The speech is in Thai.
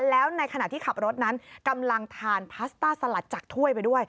แล้วในขณะที่ขับรถนั้นกำลังทานพาสต้าสลัดจากถ้วยไปด้วย